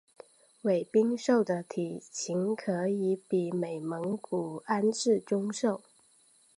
伟鬣兽的体型可以比美蒙古安氏中兽。